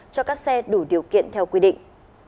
cho các xe đủ điều kiện theo quy định